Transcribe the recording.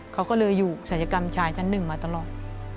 เขาก็เลยอยู่ศัลยกรรมชายชั้น๑มาตลอด